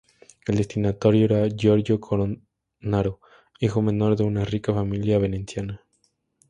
El destinatario era Giorgio Cornaro, hijo menor de una rica familia veneciana.